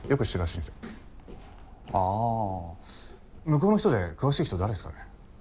向こうの人で詳しい人誰ですかね？